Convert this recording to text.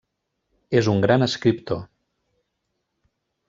És un gran escriptor.